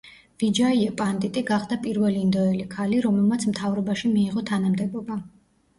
ვიჯაია პანდიტი გახდა პირველი ინდოელი ქალი, რომელმაც მთავრობაში მიიღო თანამდებობა.